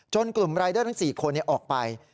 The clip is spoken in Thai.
จนกลุ่มรายเดอร์ทั้งสี่คนเนี่ยออกไป